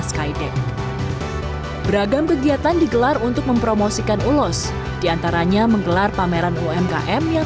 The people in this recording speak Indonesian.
skydeck beragam kegiatan digelar untuk mempromosikan ulos diantaranya menggelar pameran umkm yang